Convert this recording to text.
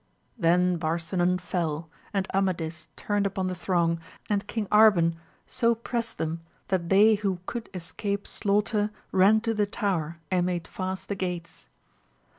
Then Barsman felX and Amadis turned upon the throng, and King Arhan so prest them that they who could escape slaughter ran to the Tower, and made fast the gates.